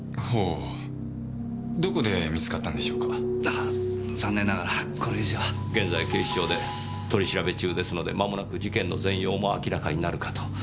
あ残念ながらこれ以上は。現在警視庁で取り調べ中ですのでまもなく事件の全容も明らかになるかと。